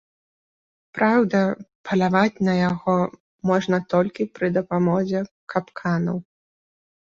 Праўда, паляваць на яго можна толькі пры дапамозе капканаў.